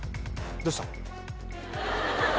どうしたん？